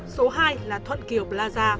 số hai là thuận kiều plaza